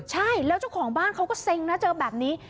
ใช่แล้วเจ้าของบ้านเขาก็เซ็งนะเจอแบบนี้